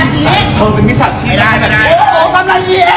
เป็นไลน์สิทางนั้นล่ะ